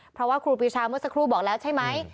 เพราะว่าครูปีชาเมื่อสักครู่บอกแล้วใช่ไหม